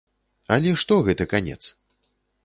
Але што гэты канец?